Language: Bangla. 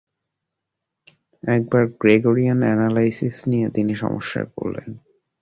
একবার গ্র্যেগরিয়ান এ্যানালাইসিস নিয়ে তিনি সমস্যায় পড়লেন।